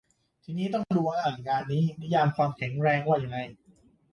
ทีนี้ต้องดูว่างานนี้นิยาม "ความแข็งแรง" ว่ายังไง